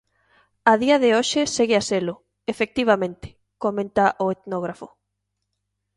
A día de hoxe segue a selo, efectivamente, comenta o etnógrafo.